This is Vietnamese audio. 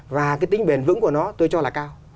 và cái tính bền vững của nó tôi cho là cao